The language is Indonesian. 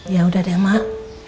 ya udah deh mak